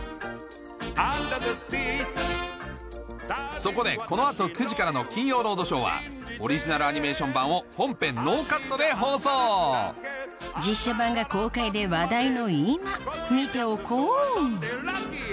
アンダー・ザ・スィーそこでこの後９時からの『金曜ロードショー』はオリジナルアニメーション版を本編ノーカットで放送実写版が公開で話題の今見ておこう！